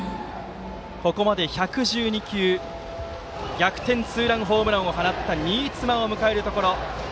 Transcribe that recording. ここまで１１２球。逆転ツーランホームランを放った新妻を迎えます。